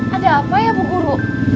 ada apa ya bu guru